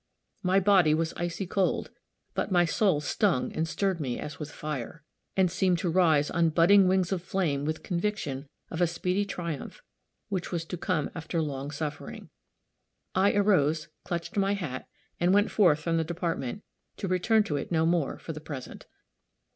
My body was icy cold, but my soul stung and stirred me as with fire, and seemed to rise on "budding wings" of flame with conviction of a speedy triumph which was to come after long suffering. I arose, clutched my hat, and went forth from the Department, to return to it no more, for the present.